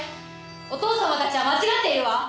お父様たちは間違っているわ！